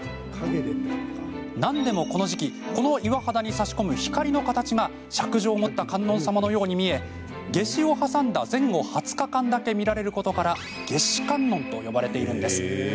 なんでも、この時期この岩肌に差し込む光の形がしゃくじょうを持った観音様のように見え夏至を挟んだ前後２０日間だけ見られることから夏至観音と呼ばれているんです。